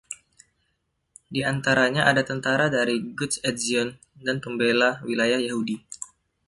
Diantaranya ada tentara dari Gush Etzion dan pembela wilayah Yahudi.